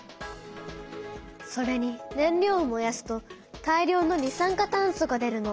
それに燃料を燃やすと大量の二酸化炭素が出るの。